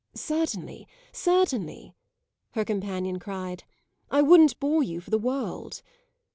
"Certainly, certainly!" her companion cried. "I wouldn't bore you for the world."